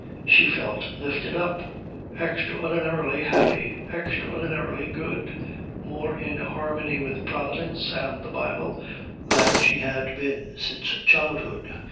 She felt lifted up, extraordinarily happy, extraordinarily good, more in harmony with Providence and the Bible than she had been since childhood.